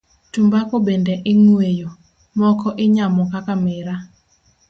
Tumbako bende ing'weyo, moko inyamo kaka miraa.